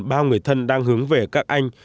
bao người thân đang hướng về các anh